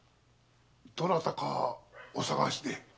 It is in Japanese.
どなたかお捜しで？